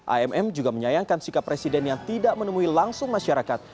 amm juga menyayangkan sikap presiden yang tidak menemui langsung masyarakat